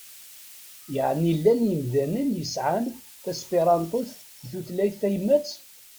Ɛni llan yemdanen i yesɛan taspiṛanṭut d tutlayt tayemmat?